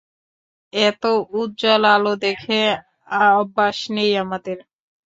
এতো উজ্জ্বল আলো দেখে অভ্যাস নেই আমাদের।